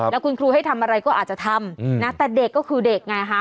แล้วคุณครูให้ทำอะไรก็อาจจะทำนะแต่เด็กก็คือเด็กไงฮะ